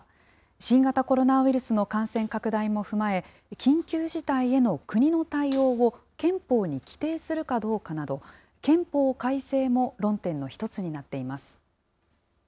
新型コロナウイルスの感染拡大も踏まえ、緊急事態への国の対応を憲法に規定するかどうかなど、憲法改正も論点の一つになっています。